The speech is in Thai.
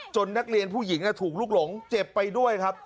นักเรียนผู้หญิงถูกลุกหลงเจ็บไปด้วยครับ